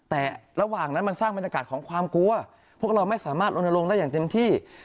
แต่ระหว่างนั้นมันสร้างบรรยากาศของความกลัวพวกเราไม่สามารถลนลงได้อย่างเต็มที่